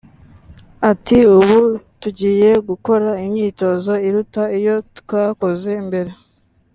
Ati ”Ubu tugiye gukora imyitozo iruta iyo twakoze mbere